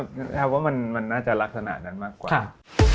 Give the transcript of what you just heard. แอบว่ามันน่าจะลักษณะนั้นมากกว่า